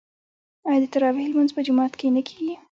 آیا د تراويح لمونځ په جومات کې نه کیږي؟